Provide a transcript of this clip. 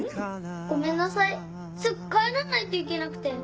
ごめんなさいすぐ帰らないといけなくて。